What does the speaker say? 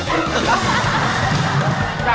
จากนั้น